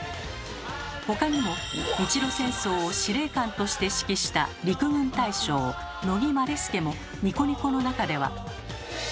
他にも日露戦争を司令官として指揮した陸軍大将乃木希典も「ニコニコ」の中では。